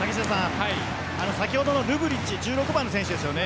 先ほどのルブリッチ１６番の選手ですよね。